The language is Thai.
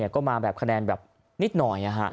ก็มาแบบคะแนนแบบนิดหน่อย